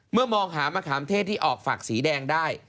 มองหามะขามเทศที่ออกฝักสีแดงได้